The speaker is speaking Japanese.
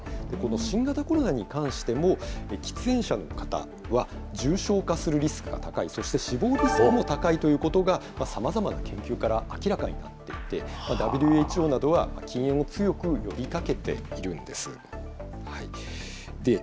新型コロナに関しても、喫煙者の方は、重症化するリスクが高い、そして死亡リスクも高いということが、さまざまな研究から明らかになっていて、ＷＨＯなどは禁煙を強く呼びかけているんです。